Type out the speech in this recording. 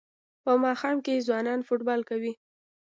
په ماښام کې ځوانان فوټبال کوي.